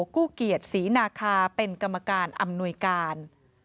กู้เกียรติศรีนาคาเป็นกรรมการอำนวยการ